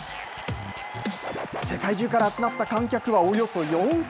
世界中から集まった観客はおよそ４０００人。